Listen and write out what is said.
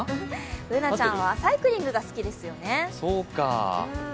Ｂｏｏｎａちゃんはサイクリングが好きですよね。